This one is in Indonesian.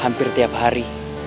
hampir tiap hari